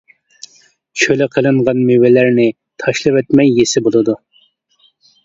چۈلە قىلىنغان مېۋىلەرنى تاشلىۋەتمەي يېسە بولىدۇ.